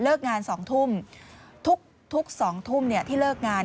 เลิกงานสองทุ่มทุกทุกสองทุ่มเนี้ยที่เลิกงาน